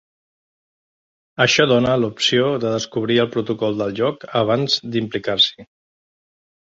Això dona l'opció de descobrir el protocol del lloc abans d'implicar-s'hi.